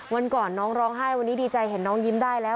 วันก่อนน้องร้องไห้วันนี้ดีใจเห็นน้องยิ้มได้แล้ว